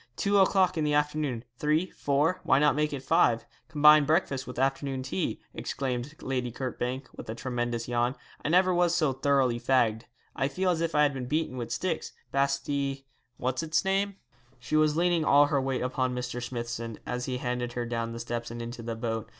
Two o'clock in the afternoon, three, four; why not make it five combine breakfast with afternoon tea,' exclaimed Lady Kirkbank, with a tremendous yawn. 'I never was so thoroughly fagged; I feel as if I had been beaten with sticks, basti what's its name.' She was leaning all her weight upon Mr. Smithson, as he handed her down the steps and into the boat.